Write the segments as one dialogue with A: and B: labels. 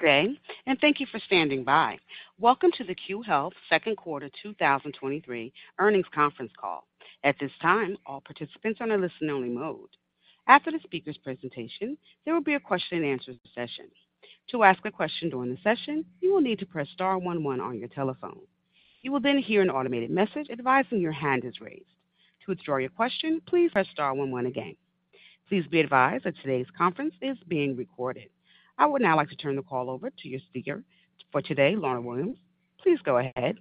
A: Good day, thank you for standing by. Welcome to the Cue Health Q2 2023 Earnings Conference Call. At this time, all participants are in a listen-only mode. After the speaker's presentation, there will be a question-and-answer session. To ask a question during the session, you will need to press star one one on your telephone. You will hear an automated message advising your hand is raised. To withdraw your question, please press star one one again. Please be advised that today's conference is being recorded. I would now like to turn the call over to your speaker for today, Lorna Williams. Please go ahead.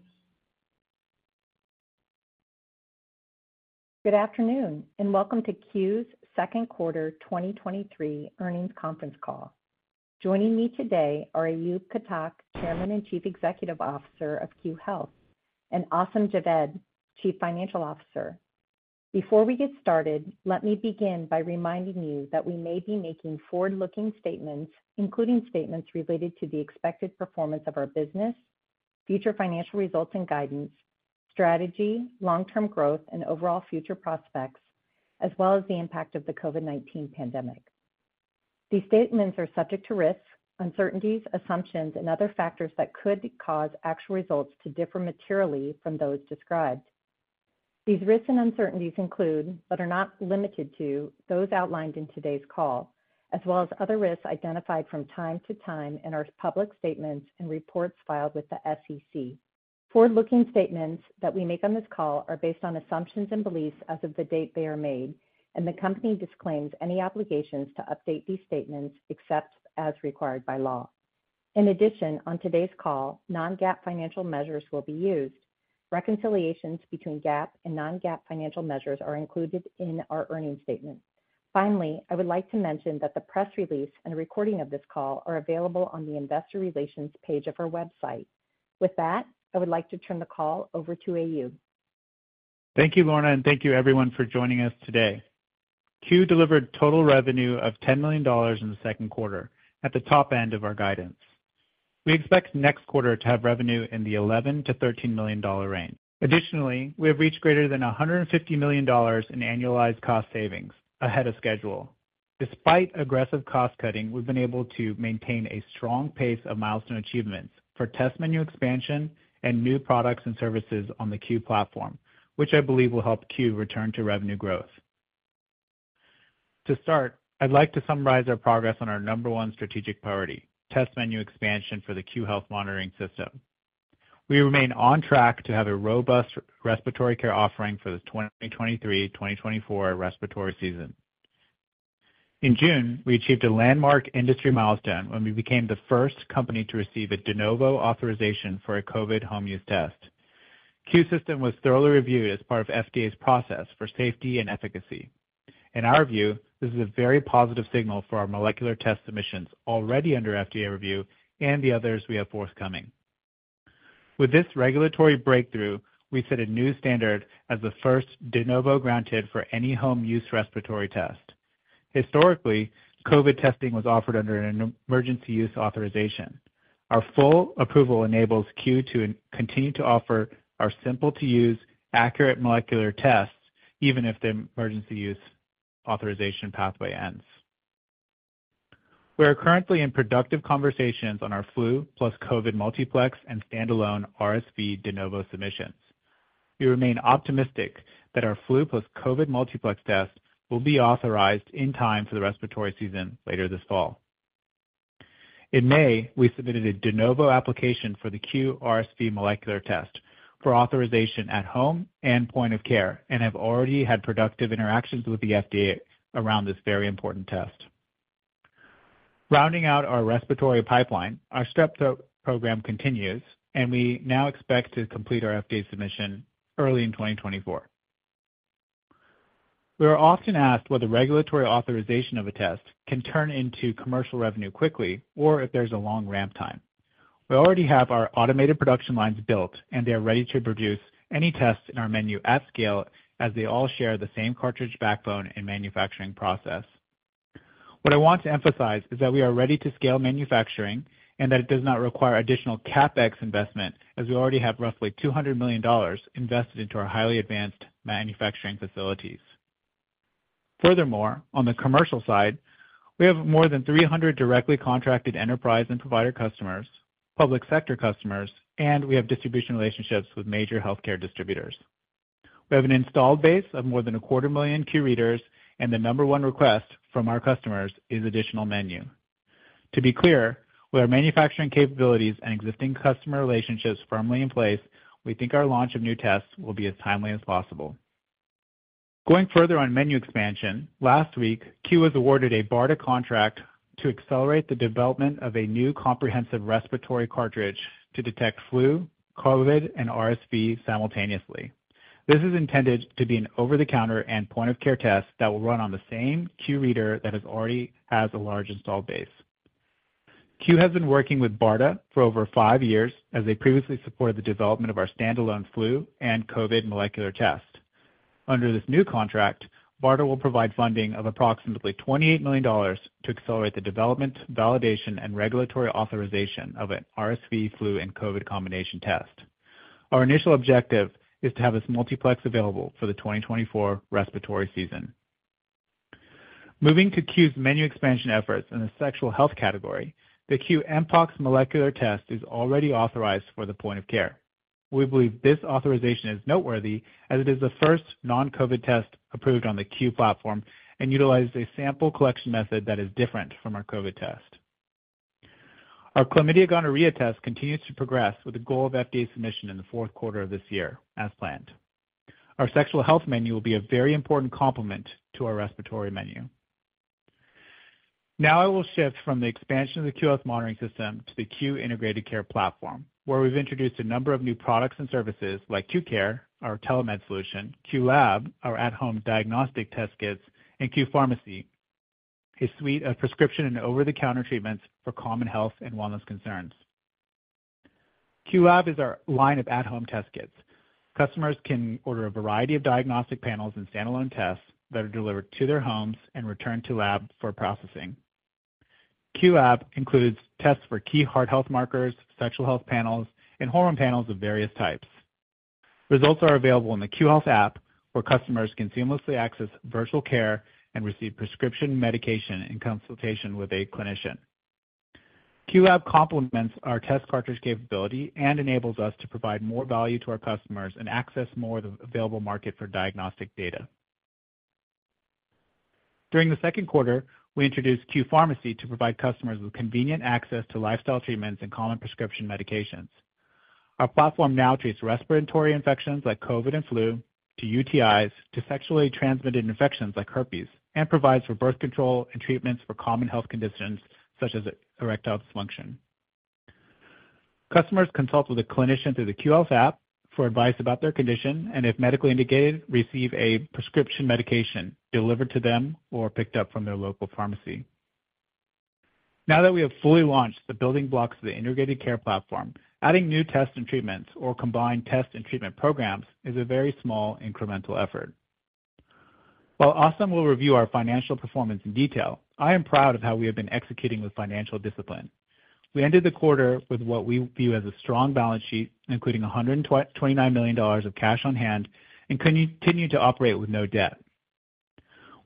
B: Good afternoon, welcome to Cue's Q2 2023 Earnings Conference Call. Joining me today are Ayub Khattak, chairman and chief executive officer of Cue Health, and Aasim Javed, chieffFinancial officer. Before we get started, let me begin by reminding you that we may be making forward-looking statements, including statements related to the expected performance of our business, future financial results and guidance, strategy, long-term growth, and overall future prospects, as well as the impact of the COVID-19 pandemic. These statements are subject to risks, uncertainties, assumptions, and other factors that could cause actual results to differ materially from those described. These risks and uncertainties include, but are not limited to, those outlined in today's call, as well as other risks identified from time to time in our public statements and reports filed with the SEC. Forward-looking statements that we make on this call are based on assumptions and beliefs as of the date they are made, and the Company disclaims any obligations to update these statements except as required by law. In addition, on today's call, non-GAAP financial measures will be used. Reconciliations between GAAP and non-GAAP financial measures are included in our earnings statement. Finally, I would like to mention that the press release and a recording of this call are available on the investor relations page of our website. With that, I would like to turn the call over to Ayub.
C: Thank you, Lorna. Thank you everyone for joining us today. Cue delivered total revenue of $10 million in the Q2 at the top end of our guidance. We expect next quarter to have revenue in the $11 million-$13 million range. Additionally, we have reached greater than $150 million in annualized cost savings ahead of schedule. Despite aggressive cost cutting, we've been able to maintain a strong pace of milestone achievements for test menu expansion and new products and services on the Cue platform, which I believe will help Cue return to revenue growth. To start, I'd like to summarize our progress on our number one strategic priority: test menu expansion for the Cue Health Monitoring System. We remain on track to have a robust respiratory care offering for the 2023/2024 respiratory season. In June, we achieved a landmark industry milestone when we became the first company to receive a De Novo authorization for a COVID home use test. Cue system was thoroughly reviewed as part of FDA's process for safety and efficacy. In our view, this is a very positive signal for our molecular test submissions already under FDA review and the others we have forthcoming. With this regulatory breakthrough, we set a new standard as the first De Novo granted for any home use respiratory test. Historically, COVID testing was offered under an emergency use authorization. Our full approval enables Cue to continue to offer our simple-to-use, accurate molecular tests, even if the emergency use authorization pathway ends. We are currently in productive conversations on our flu plus COVID multiplex and standalone RSV De Novo submissions. We remain optimistic that our flu plus COVID multiplex test will be authorized in time for the respiratory season later this fall. In May, we submitted a De Novo application for the Cue RSV Molecular Test for authorization at home and point of care and have already had productive interactions with the FDA around this very important test. Rounding out our respiratory pipeline, our strep throat program continues, and we now expect to complete our FDA submission early in 2024. We are often asked whether regulatory authorization of a test can turn into commercial revenue quickly or if there's a long ramp time. We already have our automated production lines built, and they are ready to produce any tests in our menu at scale, as they all share the same cartridge backbone and manufacturing process. What I want to emphasize is that we are ready to scale manufacturing and that it does not require additional CapEx investment, as we already have roughly $200 million invested into our highly advanced manufacturing facilities. On the commercial side, we have more than 300 directly contracted enterprise and provider customers, public sector customers, and we have distribution relationships with major healthcare distributors. We have an installed base of more than $250,000 Cue Readers, and the number one request from our customers is additional menu. To be clear, with our manufacturing capabilities and existing customer relationships firmly in place, we think our launch of new tests will be as timely as possible. Going further on menu expansion, last week, Cue was awarded a BARDA contract to accelerate the development of a new comprehensive respiratory cartridge to detect Flu, COVID, and RSV simultaneously. This is intended to be an over-the-counter and point-of-care test that will run on the same Cue Reader that already has a large installed base. Cue has been working with BARDA for over five years, as they previously supported the development of our standalone Flu and COVID Molecular Test. Under this new contract, BARDA will provide funding of approximately $28 million to accelerate the development, validation, and regulatory authorization of an RSV, Flu, and COVID combination test. Our initial objective is to have this multiplex available for the 2024 respiratory season. Moving to Cue's menu expansion efforts in the sexual health category, the Cue Mpox Molecular Test is already authorized for the point of care. We believe this authorization is noteworthy, as it is the first non-COVID test approved on the Cue platform and utilizes a sample collection method that is different from our COVID test. Our chlamydia gonorrhea test continues to progress with the goal of FDA submission in the Q4 of this year, as planned. Our sexual health menu will be a very important complement to our respiratory menu. Now I will shift from the expansion of the Cue Health Monitoring System to the Cue Integrated Care Platform, where we've introduced a number of new products and services like Cue Care, our telemedicine solution, Cue Lab, our at-home diagnostic test kits, and Cue Pharmacy, a suite of prescription and over-the-counter treatments for common health and wellness concerns. Cue Lab is our line of at-home test kits. Customers can order a variety of diagnostic panels and standalone tests that are delivered to their homes and returned to lab for processing. Cue Lab includes tests for key heart health markers, sexual health panels, and hormone panels of various types. Results are available in the Cue Health App, where customers can seamlessly access virtual care and receive prescription medication and consultation with a clinician. Cue Lab complements our test cartridge capability and enables us to provide more value to our customers and access more of the available market for diagnostic data. During the Q2, we introduced Cue Pharmacy to provide customers with convenient access to lifestyle treatments and common prescription medications. Our platform now treats respiratory infections like COVID and flu, to UTIs, to sexually transmitted infections like herpes, and provides for birth control and treatments for common health conditions such as erectile dysfunction. Customers consult with a clinician through the Cue Health App for advice about their condition, and if medically indicated, receive a prescription medication delivered to them or picked up from their local pharmacy. Now that we have fully launched the building blocks of the Cue Integrated Care Platform, adding new tests and treatments or combined test and treatment programs is a very small incremental effort. While Aasim will review our financial performance in detail, I am proud of how we have been executing with financial discipline. We ended the quarter with what we view as a strong balance sheet, including $29 million of cash on hand, and continue to operate with no debt.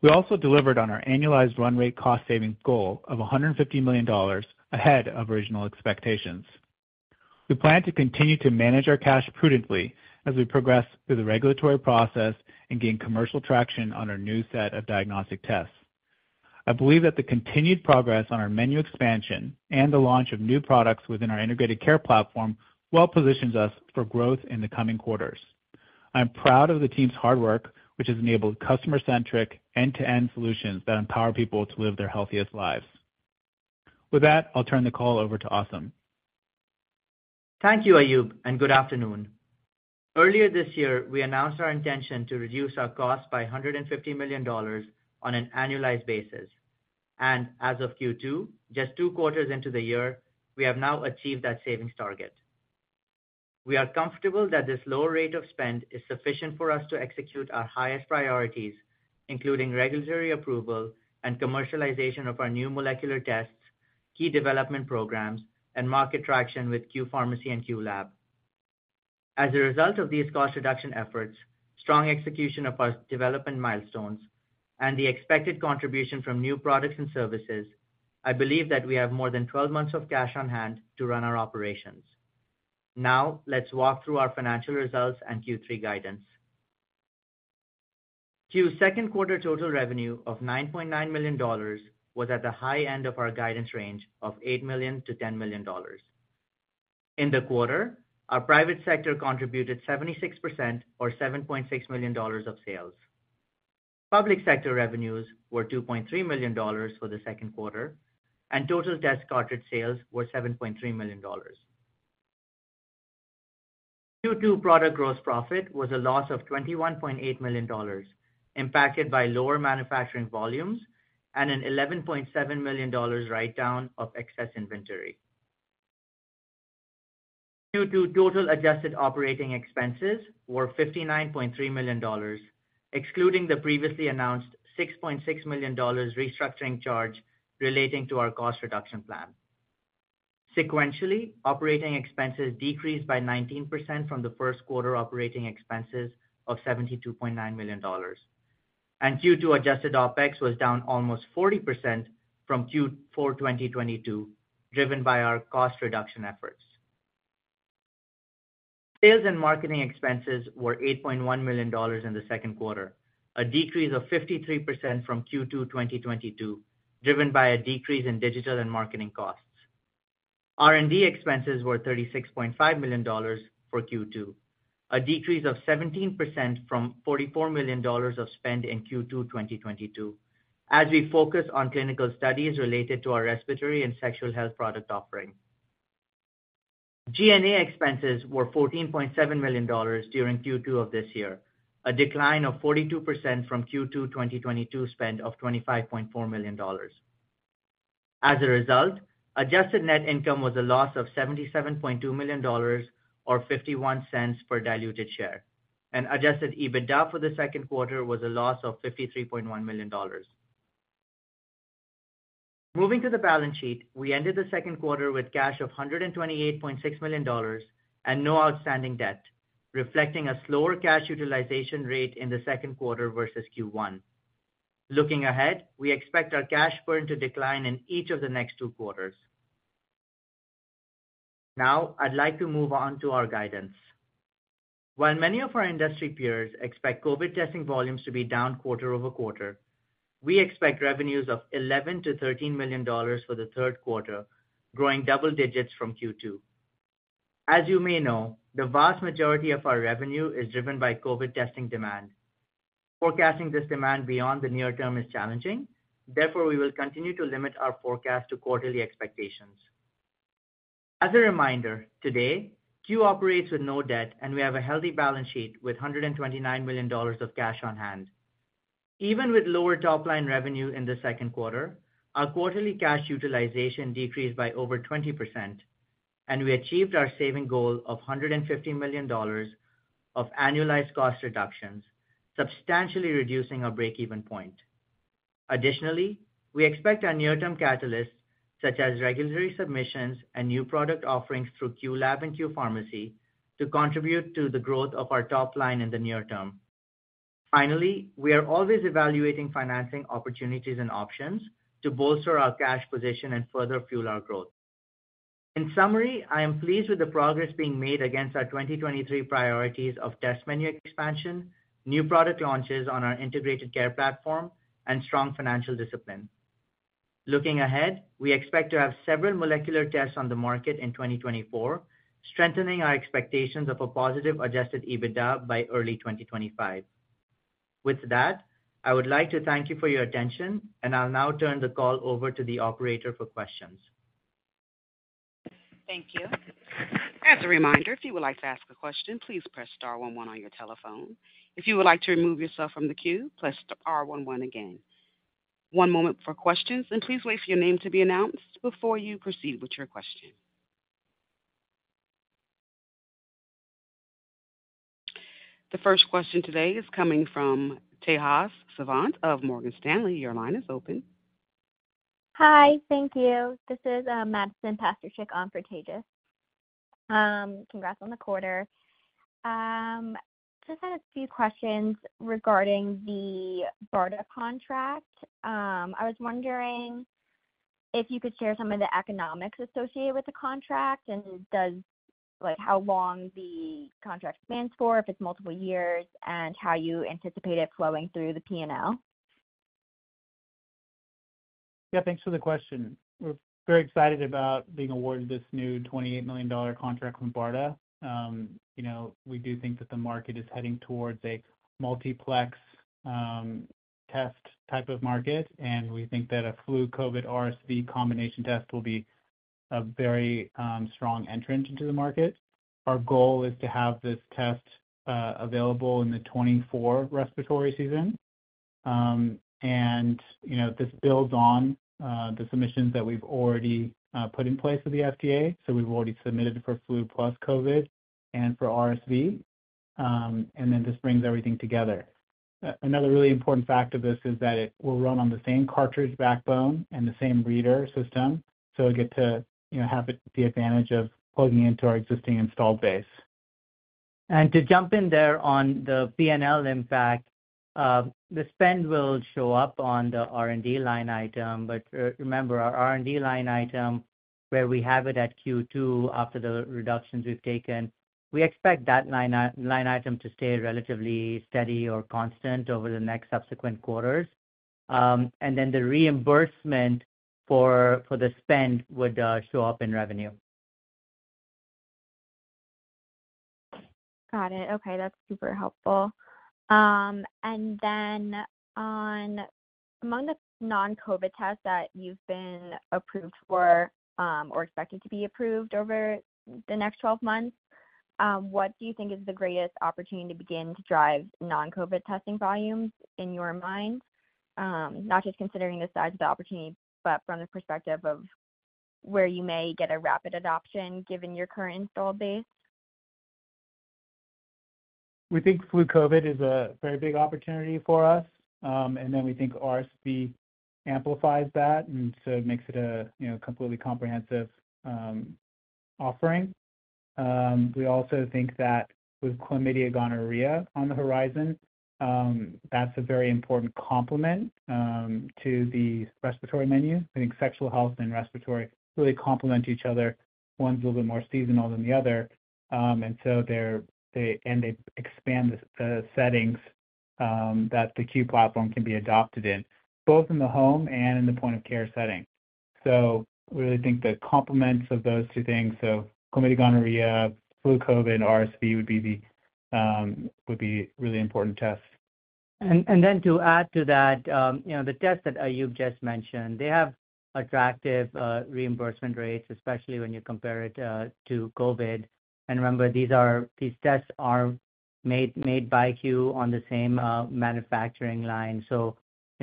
C: We also delivered on our annualized run rate cost-saving goal of $150 million ahead of original expectations. We plan to continue to manage our cash prudently as we progress through the regulatory process and gain commercial traction on our new set of diagnostic tests. I believe that the continued progress on our menu expansion and the launch of new products within our integrated care platform well positions us for growth in the coming quarters. I'm proud of the team's hard work, which has enabled customer-centric, end-to-end solutions that empower people to live their healthiest lives. With that, I'll turn the call over to Aasim.
D: Thank you, Ayub, and good afternoon. Earlier this year, we announced our intention to reduce our costs by $150 million on an annualized basis, and as of Q2, just two quarters into the year, we have now achieved that savings target. We are comfortable that this lower rate of spend is sufficient for us to execute our highest priorities, including regulatory approval and commercialization of our new molecular tests, key development programs, and market traction with Cue Pharmacy and Cue Lab. As a result of these cost reduction efforts, strong execution of our development milestones, and the expected contribution from new products and services, I believe that we have more than 12 months of cash on hand to run our operations. Let's walk through our financial results and Q3 guidance. Cue's Q2 total revenue of $9.9 million was at the high end of our guidance range of $8 million-$10 million. In the quarter, our private sector contributed 76%, or $7.6 million of sales. Public sector revenues were $2.3 million for the Q2, and total test cartridge sales were $7.3 million. Q2 product gross profit was a loss of $21.8 million, impacted by lower manufacturing volumes and an $11.7 million write-down of excess inventory. Q2 total adjusted operating expenses were $59.3 million, excluding the previously announced $6.6 million restructuring charge relating to our cost reduction plan. Sequentially, operating expenses decreased by 19% from the Q1 operating expenses of $72.9 million, Q2 adjusted OpEx was down almost 40% from Q4 2022, driven by our cost reduction efforts. Sales and marketing expenses were $8.1 million in the Q2, a decrease of 53% from Q2 2022, driven by a decrease in digital and marketing costs. R&D expenses were $36.5 million for Q2, a decrease of 17% from $44 million of spend in Q2 2022, as we focus on clinical studies related to our respiratory and sexual health product offering. G&A expenses were $14.7 million during Q2 of this year, a decline of 42% from Q2 2022 spend of $25.4 million. As a result, adjusted net income was a loss of $77.2 million, or $0.51 per diluted share, and adjusted EBITDA for the Q2 was a loss of $53.1 million. Moving to the balance sheet, we ended the Q2 with cash of $128.6 million and no outstanding debt, reflecting a slower cash utilization rate in the Q2 versus Q1. Looking ahead, we expect our cash burn to decline in each of the next two quarters. Now, I'd like to move on to our guidance. While many of our industry peers expect COVID testing volumes to be down quarter-over-quarter, we expect revenues of $11 million-$13 million for the Q3, growing double digits from Q2. As you may know, the vast majority of our revenue is driven by COVID testing demand. Forecasting this demand beyond the near term is challenging, therefore, we will continue to limit our forecast to quarterly expectations. As a reminder, today, Cue operates with no debt, and we have a healthy balance sheet with $129 million of cash on hand. Even with lower top-line revenue in the Q2, our quarterly cash utilization decreased by over 20%, and we achieved our saving goal of $150 million of annualized cost reductions, substantially reducing our break-even point. Additionally, we expect our near-term catalysts, such as regulatory submissions and new product offerings through Cue Lab and Cue Pharmacy, to contribute to the growth of our top line in the near term. Finally, we are always evaluating financing opportunities and options to bolster our cash position and further fuel our growth. In summary, I am pleased with the progress being made against our 2023 priorities of test menu expansion, new product launches on our Integrated Care Platform, and strong financial discipline. Looking ahead, we expect to have several molecular tests on the market in 2024, strengthening our expectations of a positive adjusted EBITDA by early 2025. With that, I would like to thank you for your attention, and I'll now turn the call over to the operator for questions.
A: Thank you. As a reminder, if you would like to ask a question, please press star one one on your telephone. If you would like to remove yourself from the queue, press star one one again. One moment for questions. Please wait for your name to be announced before you proceed with your question. The first question today is coming from Tejas Savant of Morgan Stanley. Your line is open.
E: Hi, thank you. This is Madison Pasterchick on for Tejas. Congrats on the quarter. Just had a few questions regarding the BARDA contract. I was wondering if you could share some of the economics associated with the contract, and does. Like, how long the contract spans for, if it's multiple years, and how you anticipate it flowing through the PNL?
C: Yeah, thanks for the question. We're very excited about being awarded this new $28 million contract from BARDA. You know, we do think that the market is heading towards a multiplex test type of market, and we think that a flu, COVID, RSV combination test will be a very strong entrance into the market. Our goal is to have this test available in the 2024 respiratory season. You know, this builds on the submissions that we've already put in place with the FDA. We've already submitted for flu plus COVID and for RSV, this brings everything together. Another really important fact of this is that it will run on the same cartridge backbone and the same reader system, it'll get to, you know, have it the advantage of plugging into our existing installed base.
D: To jump in there on the PNL impact, the spend will show up on the R&D line item, but remember, our R&D line item, where we have it at Q2 after the reductions we've taken, we expect that line item to stay relatively steady or constant over the next subsequent quarters. The reimbursement for the spend would show up in revenue.
E: Got it. Okay, that's super helpful. And then on... Among the non-COVID tests that you've been approved for, or expected to be approved over the next 12 months, what do you think is the greatest opportunity to begin to drive non-COVID testing volumes in your mind, not just considering the size of the opportunity, but from the perspective of where you may get a rapid adoption, given your current install base?
C: We think flu/COVID is a very big opportunity for us, we think RSV amplifies that, it makes it a, you know, completely comprehensive offering. We also think that with chlamydia gonorrhea on the horizon, that's a very important complement to the respiratory menu. I think sexual health and respiratory really complement each other. One's a little bit more seasonal than the other, they expand the settings that the Cue platform can be adopted in, both in the home and in the point of care setting. We really think the complements of those two things, so chlamydia gonorrhea, flu, COVID, RSV, would be the, would be really important tests.
D: Then to add to that, you know, the tests that Ayub just mentioned, they have attractive reimbursement rates, especially when you compare it to COVID. Remember, these tests are made by Cue on the same manufacturing line. You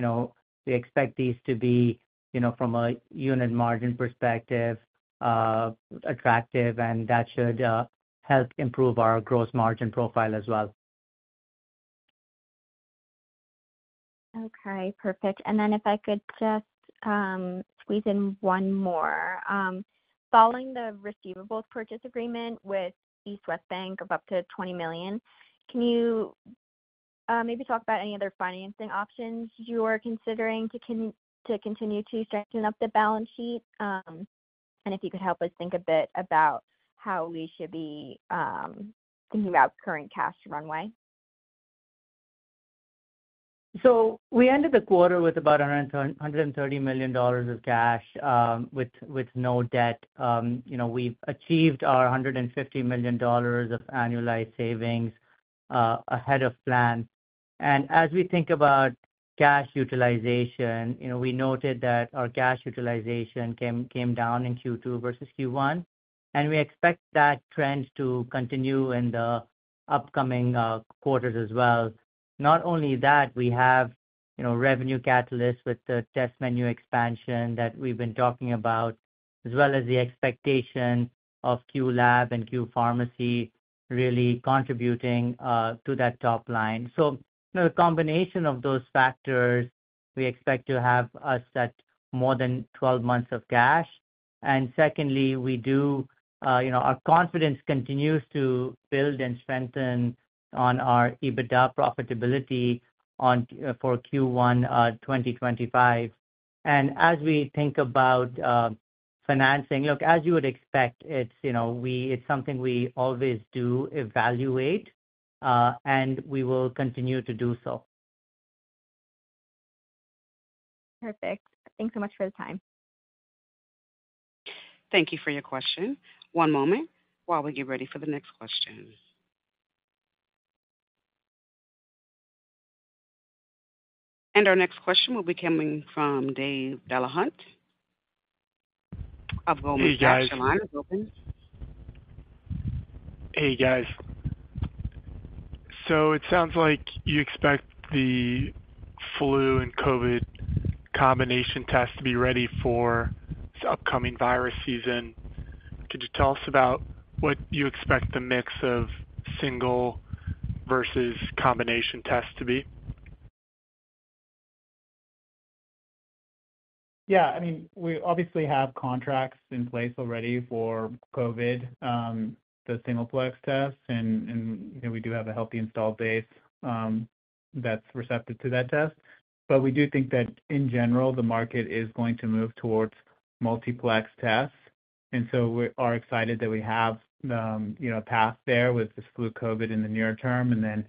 D: know, we expect these to be, you know, from a unit margin perspective, attractive, and that should help improve our gross margin profile as well.
E: Okay, perfect. Then if I could just squeeze in one more. Following the receivables purchase agreement with East West Bank of up to $20 million, can you maybe talk about any other financing options you are considering to continue to strengthen up the balance sheet? If you could help us think a bit about how we should be thinking about current cash runway.
D: We ended the quarter with about $130 million of cash, with no debt. You know, we've achieved our $150 million of annualized savings ahead of plan. As we think about cash utilization, you know, we noted that our cash utilization came down in Q2 versus Q1, and we expect that trend to continue in the upcoming quarters as well. Not only that, we have, you know, revenue catalysts with the test menu expansion that we've been talking about, as well as the expectation of Cue Lab and Cue Pharmacy really contributing to that top line. You know, a combination of those factors, we expect to have us at more than 12 months of cash. Secondly, we do, you know, our confidence continues to build and strengthen on our EBITDA profitability on, for Q1 2025. As we think about financing, look, as you would expect, it's, you know, it's something we always do evaluate, and we will continue to do so.
E: Perfect. Thanks so much for the time.
A: Thank you for your question. One moment while we get ready for the next question. Our next question will be coming from David Delahunt of Goldman Sachs.
F: Hey, guys.
A: Your line is open.
F: Hey, guys. It sounds like you expect the flu and COVID combination test to be ready for this upcoming virus season. Could you tell us about what you expect the mix of single versus combination tests to be?
C: Yeah, I mean, we obviously have contracts in place already for COVID, the simplex tests, and, and, you know, we do have a healthy install base, that's receptive to that test. We do think that in general, the market is going to move towards multiplex tests. We are excited that we have, you know, a path there with this flu COVID in the near term and then,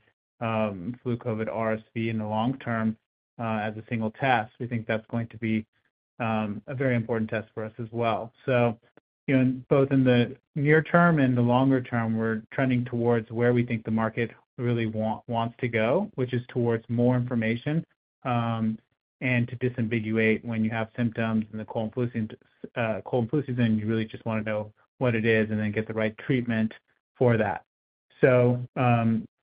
C: flu COVID RSV in the long term, as a single test. We think that's going to be, a very important test for us as well. You know, both in the near term and the longer term, we're trending towards where we think the market really wants to go, which is towards more information, and to disambiguate when you have symptoms in the cold and flu season, you really just wanna know what it is and then get the right treatment for that.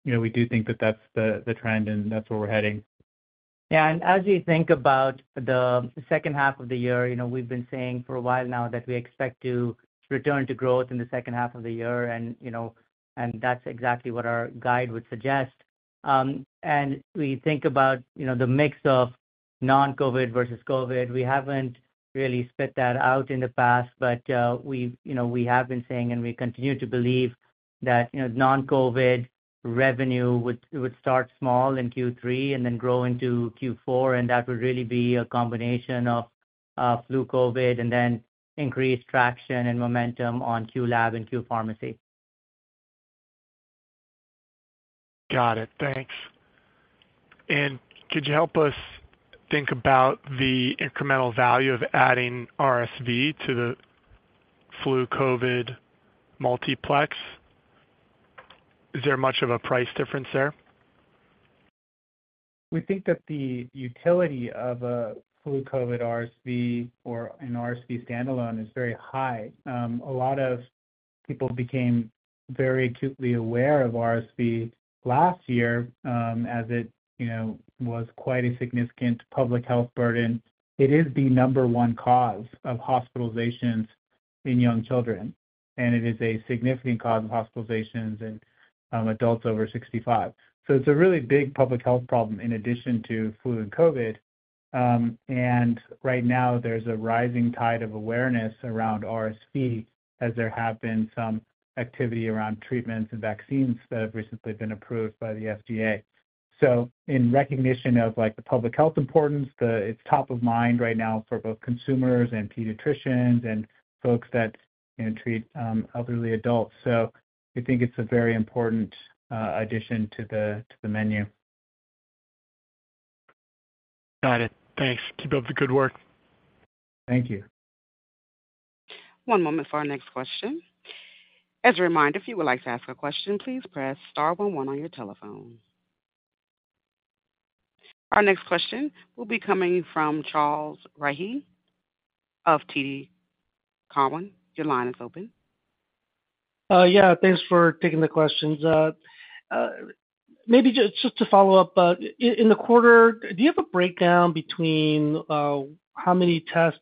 C: You know, we do think that that's the, the trend, and that's where we're heading.
D: Yeah, as you think about the second half of the year, you know, we've been saying for a while now that we expect to return to growth in the second half of the year, you know, and that's exactly what our guide would suggest. We think about, you know, the mix of non-COVID versus COVID. We haven't really spit that out in the past, but we've, you know, we have been saying, and we continue to believe that, you know, non-COVID revenue would, would start small in Q3 and then grow into Q4, and that would really be a combination of flu, COVID, and then increased traction and momentum on Cue Lab and Cue Pharmacy.
F: Got it. Thanks. Could you help us think about the incremental value of adding RSV to the flu COVID multiplex? Is there much of a price difference there?
C: We think that the utility of a flu COVID-19 RSV or an RSV standalone is very high. A lot of people became very acutely aware of RSV last year, as it, you know, was quite a significant public health burden. It is the number one cause of hospitalizations in young children, and it is a significant cause of hospitalizations in adults over 65. It's a really big public health problem in addition to flu and COVID-19. Right now, there's a rising tide of awareness around RSV, as there have been some activity around treatments and vaccines that have recently been approved by the FDA. In recognition of, like, the public health importance, it's top of mind right now for both consumers and pediatricians and folks that, you know, treat elderly adults. We think it's a very important addition to the, to the menu.
F: Got it. Thanks. Keep up the good work.
C: Thank you.
A: One moment for our next question. As a reminder, if you would like to ask a question, please press star one one on your telephone. Our next question will be coming from Charles Rhyee of TD Cowen. Your line is open.
G: Yeah, thanks for taking the questions. Maybe just, just to follow up, in the quarter, do you have a breakdown between, how many tests-...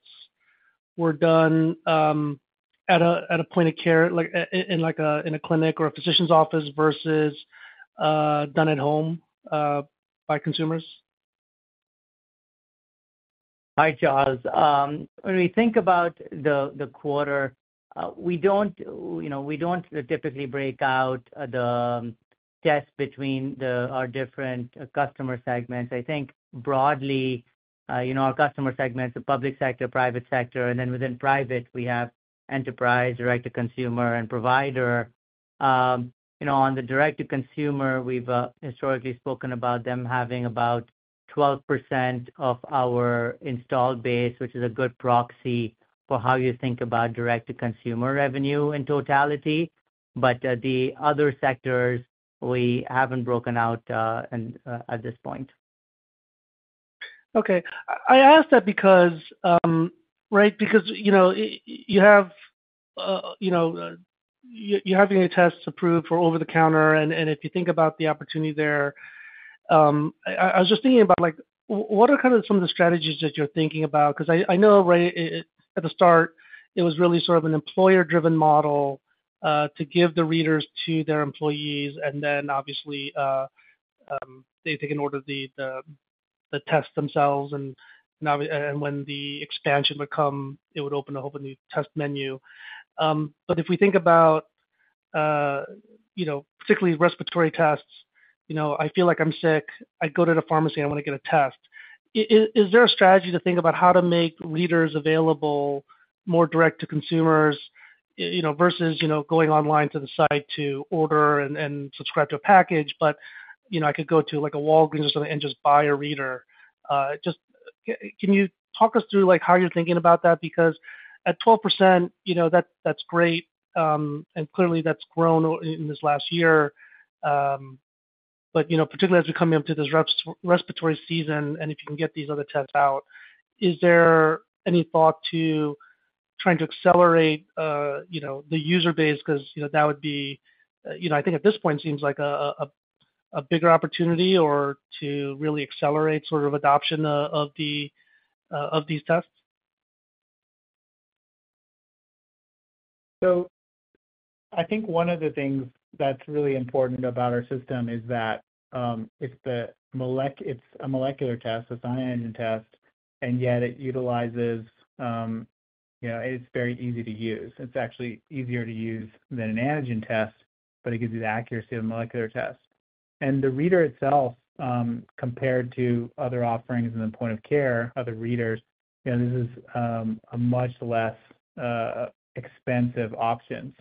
G: were done, at a, at a point of care, like, in, like, a, in a clinic or a physician's office versus, done at home, by consumers?
C: Hi, Charles. When we think about the, the quarter, we don't, you know, we don't typically break out the tests between our different customer segments. I think broadly, you know, our customer segments, the public sector, private sector, and then within private, we have enterprise, direct-to-consumer, and provider. You know, on the direct-to-consumer, we've historically spoken about them having about 12% of our installed base, which is a good proxy for how you think about direct-to-consumer revenue in totality. The other sectors, we haven't broken out at this point.
G: Okay. I asked that because, right, because, you know, you have, you know, you're having your tests approved for over-the-counter, and, and if you think about the opportunity there, I, I was just thinking about, like, what are kind of some of the strategies that you're thinking about? Because I, I know, right, at the start, it was really sort of an employer-driven model to give the readers to their employees, and then obviously, they can order the, the, the tests themselves, and now, and when the expansion would come, it would open a whole new test menu. If we think about, you know, particularly respiratory tests, you know, I feel like I'm sick, I go to the pharmacy, I wanna get a test. Is there a strategy to think about how to make readers available, more direct to consumers, you know, versus, you know, going online to the site to order and, and subscribe to a package, but, you know, I could go to, like, a Walgreens or something and just buy a reader? Just, can you talk us through, like, how you're thinking about that? Because at 12%, you know, that's, that's great, and clearly that's grown in this last year. Particularly as we're coming up to this respiratory season, and if you can get these other tests out, is there any thought to trying to accelerate, you know, the user base? Because, you know, that would be, you know, I think at this point, it seems like a bigger opportunity or to really accelerate sort of adoption of, of the, of these tests.
C: I think one of the things that's really important about our system is that it's a molecular test, it's an antigen test, and yet it utilizes, you know, it's very easy to use. It's actually easier to use than an antigen test, but it gives you the accuracy of a molecular test. The reader itself, compared to other offerings in the point of care, other readers, you know, this is a much less expensive option.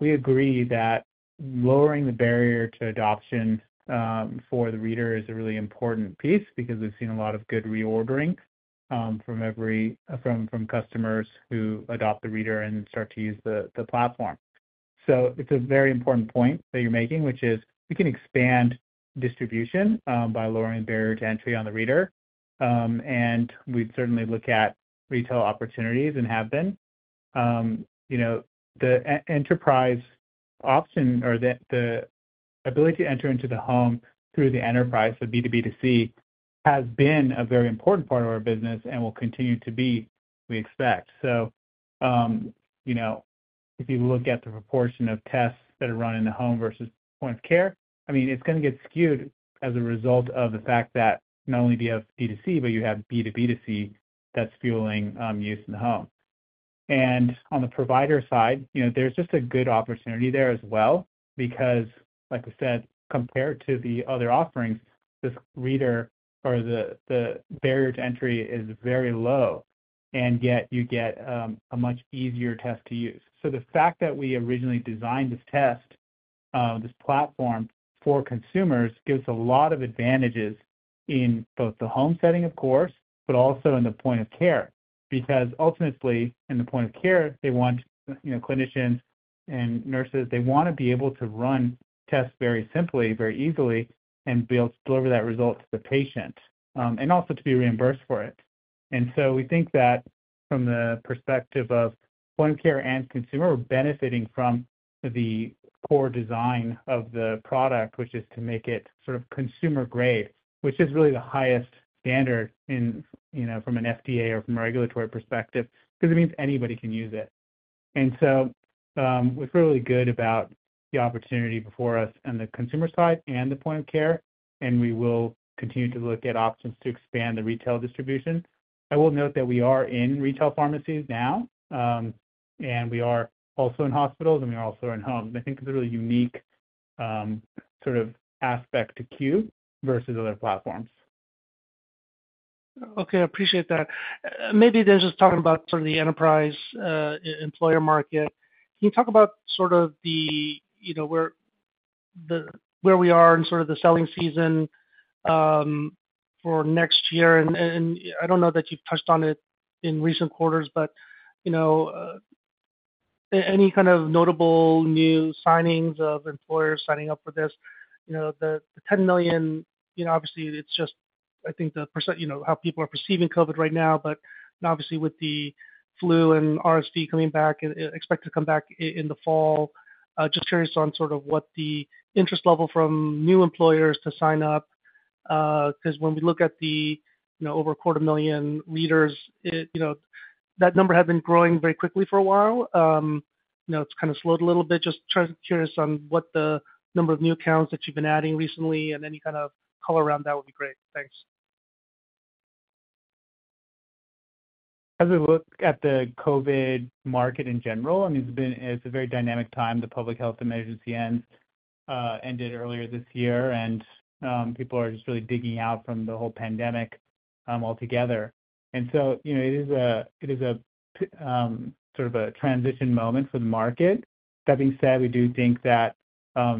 C: We agree that lowering the barrier to adoption for the reader is a really important piece because we've seen a lot of good reordering from, from customers who adopt the reader and start to use the, the platform. It's a very important point that you're making, which is we can expand distribution by lowering the barrier to entry on the reader. We'd certainly look at retail opportunities and have been. You know, the e- enterprise option or the, the ability to enter into the home through the enterprise, so B2B2C, has been a very important part of our business and will continue to be, we expect. You know, if you look at the proportion of tests that are run in the home versus point of care, I mean, it's gonna get skewed as a result of the fact that not only do you have B2C, but you have B2B2C that's fueling use in the home. On the provider side, you know, there's just a good opportunity there as well, because like I said, compared to the other offerings, this Cue Reader or the, the barrier to entry is very low, and yet you get a much easier test to use. The fact that we originally designed this test, this platform for consumers, gives a lot of advantages in both the home setting, of course, but also in the point of care. Ultimately, in the point of care, they want, you know, clinicians and nurses, they wanna be able to run tests very simply, very easily, and be able to deliver that result to the patient, and also to be reimbursed for it. We think that from the perspective of point of care and consumer, we're benefiting from the core design of the product, which is to make it sort of consumer-grade, which is really the highest standard in, you know, from an FDA or from a regulatory perspective, because it means anybody can use it. What's really good about the opportunity before us on the consumer side and the point of care, and we will continue to look at options to expand the retail distribution. I will note that we are in retail pharmacies now, and we are also in hospitals, and we are also in homes. I think it's a really unique sort of aspect to Cue versus other platforms.
G: Okay, I appreciate that. Maybe just talking about some of the enterprise, employer market. Can you talk about sort of the, you know, where we are in sort of the selling season for next year? I don't know that you've touched on it in recent quarters, but, you know, any kind of notable new signings of employers signing up for this? You know, the 10 million, you know, obviously, it's just, I think, the percent, you know, how people are perceiving COVID right now, but obviously with the flu and RSV coming back, expected to come back in the fall, just curious on sort of what the interest level from new employers to sign up? When we look at the, you know, over 250,000 Readers, it, you know, that number had been growing very quickly for a while. Now it's kind of slowed a little bit. Curious on what the number of new accounts that you've been adding recently and any kind of color around that would be great. Thanks.
C: As we look at the COVID market in general, I mean, it's been, it's a very dynamic time. The public health emergency ends, ended earlier this year, and people are just really digging out from the whole pandemic altogether. So, you know, it is a, it is a, sort of a transition moment for the market. That being said, we do think that, you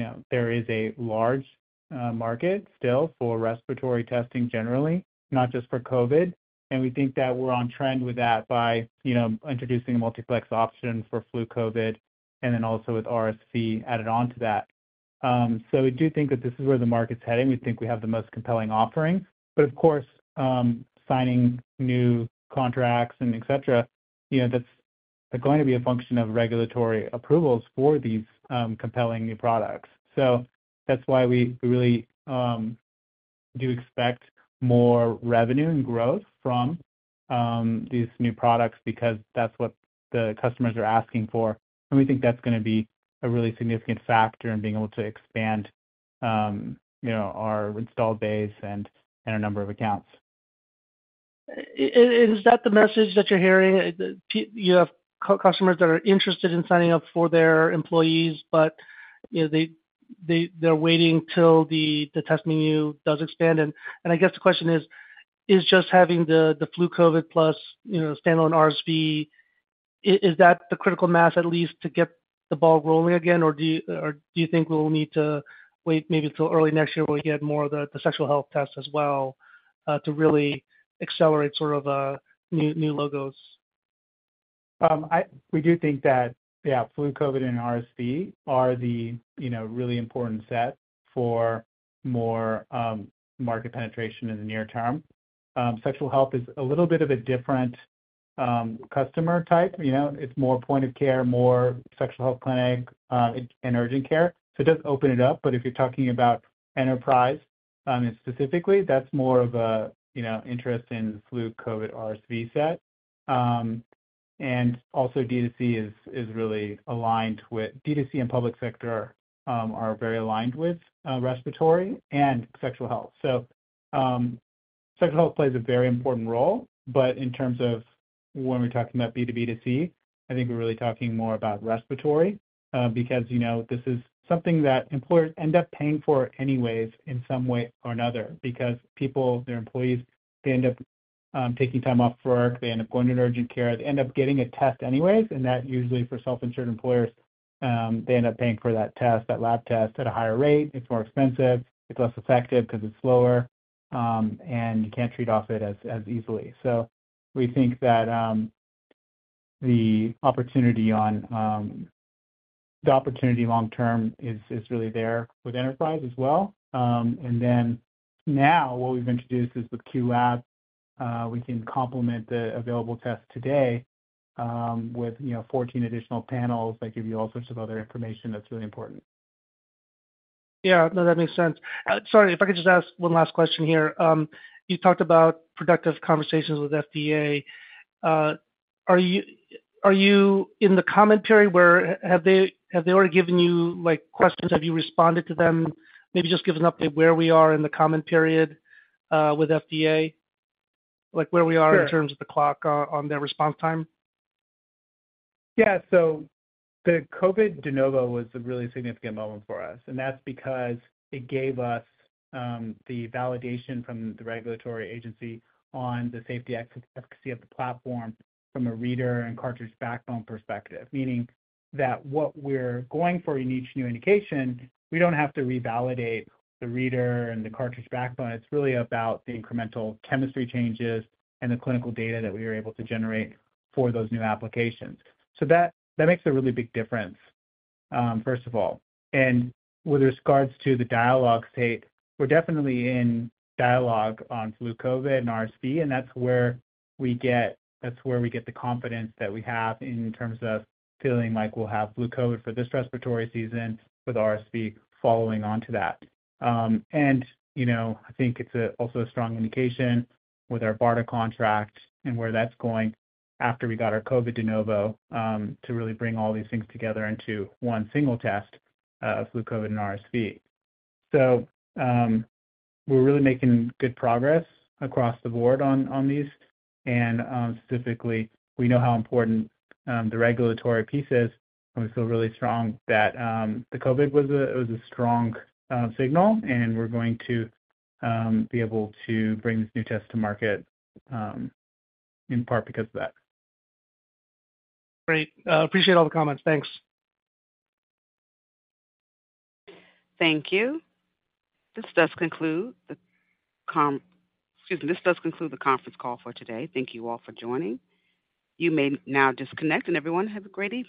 C: know, there is a large market still for respiratory testing, generally, not just for COVID. We think that we're on trend with that by, you know, introducing a multiplex option for flu/COVID and then also with RSV added on to that. We do think that this is where the market's heading. We think we have the most compelling offering. Of course, signing new contracts and et cetera, you know, that's going to be a function of regulatory approvals for these compelling new products. That's why we really do expect more revenue and growth from these new products, because that's what the customers are asking for. We think that's gonna be a really significant factor in being able to expand, you know, our installed base and, and a number of accounts.
G: Is that the message that you're hearing? You have customers that are interested in signing up for their employees, but, you know, they're waiting till the test menu does expand. I guess the question is: Is just having the flu/COVID plus, you know, standalone RSV, is that the critical mass at least to get the ball rolling again? Do you think we'll need to wait maybe till early next year when we get more of the sexual health tests as well, to really accelerate sort of new logos?
C: We do think that, yeah, flu, COVID, and RSV are the, you know, really important set for more market penetration in the near term. Sexual health is a little bit of a different customer type. You know, it's more point of care, more sexual health clinic, and urgent care. It does open it up, but if you're talking about enterprise, specifically, that's more of a, you know, interest in flu, COVID, RSV set. Also D2C is, is really aligned with, D2C and public sector are very aligned with respiratory and sexual health. Sexual health plays a very important role, but in terms of when we're talking about B2B2C, I think we're really talking more about respiratory, because, you know, this is something that employers end up paying for anyways in some way or another. Because people, their employees, they end up taking time off work, they end up going to urgent care, they end up getting a test anyways, and that usually, for self-insured employers, they end up paying for that test, that lab test, at a higher rate. It's more expensive, it's less effective because it's slower, and you can't trade off it as, as easily. We think that the opportunity on the opportunity long term is, is really there with enterprise as well. Now what we've introduced is with Cue Lab, we can complement the available test today, with, you know, 14 additional panels that give you all sorts of other information that's really important.
G: Yeah, no, that makes sense. Sorry, if I could just ask one last question here. You talked about productive conversations with FDA. Are you, are you in the comment period? Have they, have they already given you, like, questions? Have you responded to them? Maybe just give us an update where we are in the comment period with FDA, like where we are.
C: Sure.
G: in terms of the clock on, on their response time.
C: Yeah. So the COVID De Novo was a really significant moment for us, and that's because it gave us the validation from the regulatory agency on the safety efficacy of the platform from a reader and cartridge backbone perspective. Meaning that what we're going for in each new indication, we don't have to revalidate the reader and the cartridge backbone. It's really about the incremental chemistry changes and the clinical data that we were able to generate for those new applications. So that, that makes a really big difference, first of all. And with regards to the dialogue state, we're definitely in dialogue on Flu, COVID, and RSV, and that's where we get, that's where we get the confidence that we have in terms of feeling like we'll have Flu/COVID for this respiratory season, with RSV following on to that. You know, I think it's a, also a strong indication with our BARDA contract and where that's going, after we got our COVID De Novo, to really bring all these things together into one single test of flu, COVID, and RSV. We're really making good progress across the board on, on these. Specifically, we know how important, the regulatory piece is. We feel really strong that, the COVID was a, was a strong, signal, and we're going to, be able to bring this new test to market, in part because of that.
G: Great. Appreciate all the comments. Thanks.
A: Thank you. Excuse me. This does conclude the conference call for today. Thank you all for joining. You may now disconnect, and everyone, have a great evening.